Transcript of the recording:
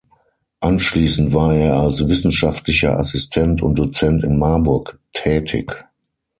Anschließend war er als wissenschaftlicher Assistent und Dozent in Marburg tätig.